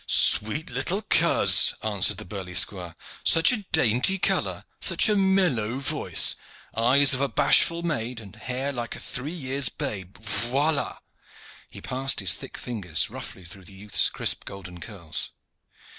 "Sweet little coz!" answered the burly squire. "Such a dainty color! Such a mellow voice! Eyes of a bashful maid, and hair like a three years' babe! Voila!" He passed his thick fingers roughly through the youth's crisp golden curls.